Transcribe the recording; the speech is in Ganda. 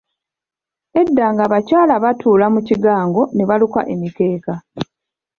Edda ng'abakyala batuula mu kigango ne baluka emikeeka.